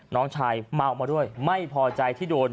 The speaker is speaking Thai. น้องชายเมามาด้วยไม่พอใจที่โดน